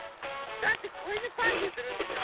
だってこいぬパーティーするんでしょ？